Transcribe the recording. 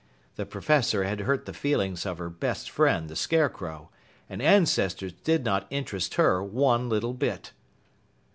The Professor had hurt the feelings of her best friend, the Scarecrow, and ancestors did not interest her one little bit.